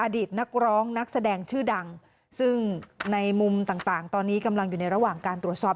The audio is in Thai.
อดีตนักร้องนักแสดงชื่อดังซึ่งในมุมต่างตอนนี้กำลังอยู่ในระหว่างการตรวจสอบ